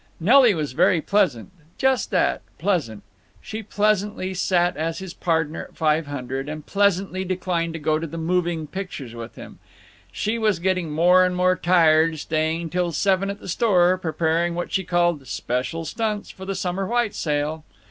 Nelly was very pleasant; just that—pleasant. She pleasantly sat as his partner at Five Hundred, and pleasantly declined to go to the moving pictures with him. She was getting more and more tired, staying till seven at the store, preparing what she called "special stunts" for the summer white sale.